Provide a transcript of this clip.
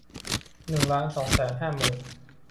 หนึ่งล้านสองแสนห้าหมื่น